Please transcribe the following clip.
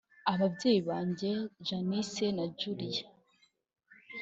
ababyeyi banjye Janice na Julian